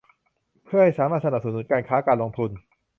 เพื่อให้สามารถสนับสนุนการค้า การลงทุน